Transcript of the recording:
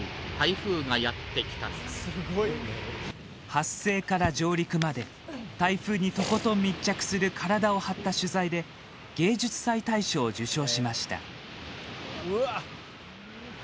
発生から上陸まで台風にとことん密着する体を張った取材で芸術祭大賞を受賞しました。